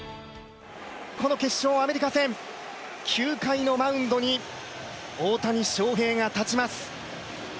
この決勝、アメリカ戦９回のマウンドに大谷翔平が立ちます。